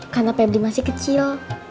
karena pebli masih kecil